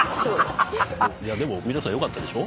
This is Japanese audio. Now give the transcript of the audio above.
でも皆さん良かったでしょ？